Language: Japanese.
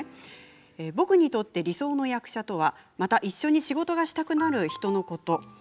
「僕にとって理想の役者とはまた一緒に仕事がしたくなる人のこと。